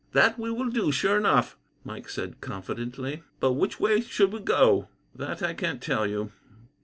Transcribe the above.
"That we will do, sure enough," Mike said confidently; "but which way should we go?" "That I can't tell you.